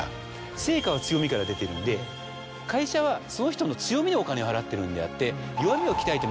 成果は強みから出てるんで会社はその人の強みにお金を払ってるんであって。